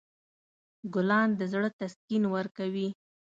ګلان د زړه تسکین ورکوي.